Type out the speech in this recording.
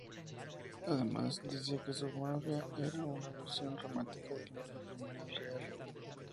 Además, decía que su mafia era una versión romántica del mundo criminal real.